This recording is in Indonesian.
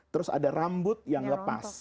terus ada rambut yang lepas